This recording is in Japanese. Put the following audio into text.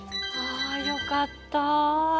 あよかった。